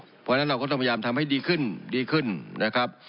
เพราะฉะนั้นเราก็ต้องพยายามทำให้ดีขึ้นดีขึ้นนะครับ